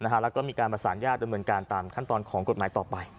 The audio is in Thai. แล้วก็มีการประสานญาติดำเนินการตามขั้นตอนของกฎหมายต่อไป